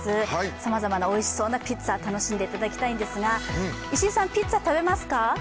さまざまなおいしそうなピッツァ楽しんでいただきたいんですが石井さん、ピッツァ食べますか？